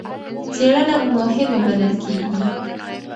څېړنه مهمه بلل کېږي.